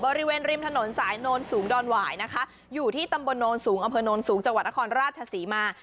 บริเวณริมถนนสายโนนสูงดอนหวายนะคะอยู่ที่ตำบลโนนสูงอำเภอโนนสูงจังหวัดนครราชศรีมา